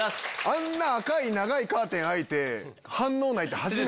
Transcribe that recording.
あんな赤い長いカーテン開いて。